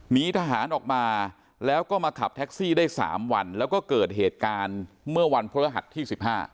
หนีทหารออกมาแล้วก็มาขับแท็กซี่ได้๓วันแล้วก็เกิดเหตุการณ์เมื่อวันพระรหัสที่๑๕